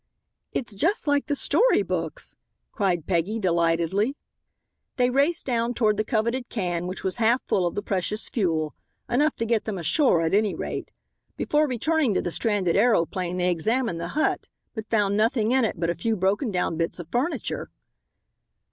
"It's just like the story books!" cried Peggy, delightedly. They raced down toward the coveted can, which was half full of the precious fuel. Enough to get them ashore at any rate. Before returning to the stranded aeroplane they examined the hut, but found nothing in it but a few broken down bits of furniture.